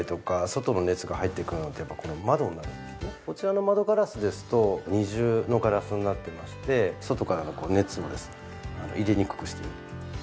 こちらの窓ガラスですと２重のガラスになってまして外からの熱もですね入れにくくしている。